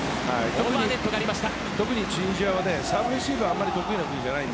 オーバーネットがありました。